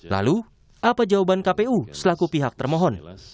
lalu apa jawaban kpu selaku pihak termohon